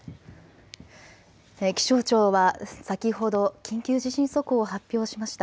気象庁は先ほど緊急地震速報を発表しました。